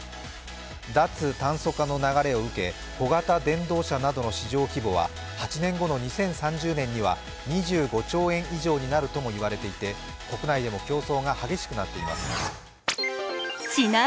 脱炭素化の流れを受け小型電動車などの市場規模は８年後の２０３０年には２５兆円以上になるともいわれていて国内でも競争が激しくなっています。